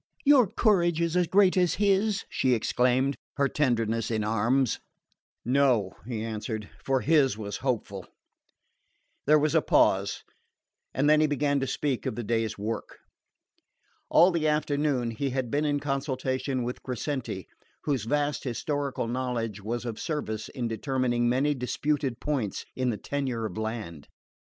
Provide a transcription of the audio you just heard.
"Your courage is as great as his," she exclaimed, her tenderness in arms. "No," he answered, "for his was hopeful." There was a pause, and then he began to speak of the day's work. All the afternoon he had been in consultation with Crescenti, whose vast historical knowledge was of service in determining many disputed points in the tenure of land.